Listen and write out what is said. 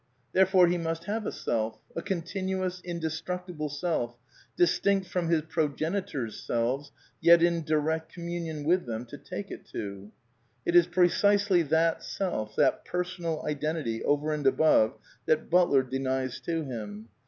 There fore he must have a self, a continuous, indestructible self , distinct from his progenitors' selves, yet in direct commu nion with them, to take it to. It is precisely that self, that personal identity over and above, that Butler denies to him.